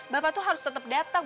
bapak tuh harus tetap datang